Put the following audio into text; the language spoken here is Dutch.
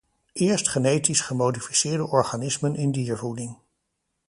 Eerst genetisch gemodificeerde organismen in diervoeding.